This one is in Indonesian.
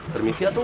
permisi atu kak